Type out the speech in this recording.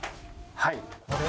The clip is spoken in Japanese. はい。